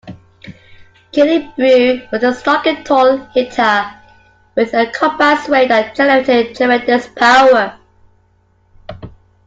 Killebrew was a stocky tall, hitter with a compact swing that generated tremendous power.